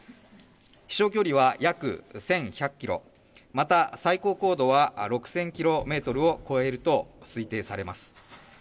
飛しょう距離は約１１００キロ、また最高高度は６０００キロメートルを超えると推定されます。